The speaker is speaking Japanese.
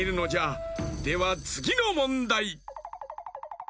ではつぎのもんだい！